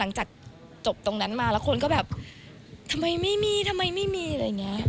หลังจากจบตรงนั้นมาแล้วคนก็แบบทำไมไม่มีทำไมไม่มีอะไรอย่างนี้